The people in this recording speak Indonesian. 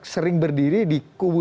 sering berdiri di kubu